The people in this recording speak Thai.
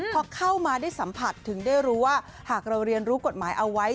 พอเข้ามาได้สัมผัสถึงได้รู้ว่าหากเราเรียนรู้กฎหมายเอาไว้